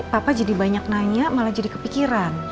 papa jadi banyak nanya malah jadi kepikiran